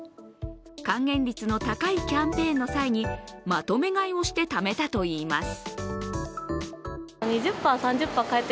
還元率の高いキャンペーンの際にまとめ買いをしてためたといいます。